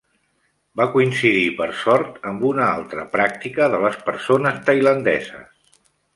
Va coincidir per sort amb una altra pràctica de les persones tailandeses.